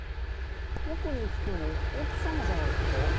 奥に写ってるの奥様じゃないですか？